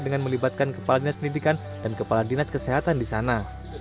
dengan melibatkan kepala dinas pendidikan dan kepala dinas kesehatan di sana